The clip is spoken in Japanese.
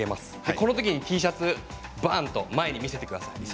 このときにＴシャツを前に見せてください。